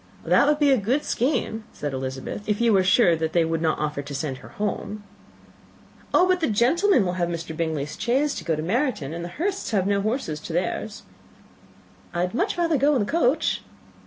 "That would be a good scheme," said Elizabeth, "if you were sure that they would not offer to send her home." "Oh, but the gentlemen will have Mr. Bingley's chaise to go to Meryton; and the Hursts have no horses to theirs." "I had much rather go in the coach."